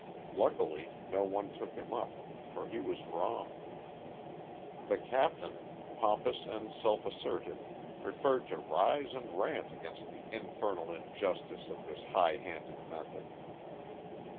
Luckily, no one took him up for he was wrong. The captain, pompous and self assertive, preferred to rise and rant against the "infernal injustice of this high handed method."